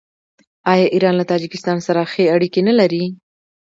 آیا ایران له تاجکستان سره ښې اړیکې نلري؟